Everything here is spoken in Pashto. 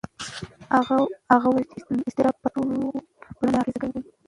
هغه وویل چې اضطراب په ټولنه اغېز کوي.